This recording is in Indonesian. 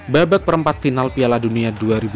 babak perempat final piala dunia dua ribu dua puluh